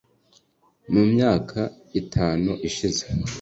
mu myaka itanu ishize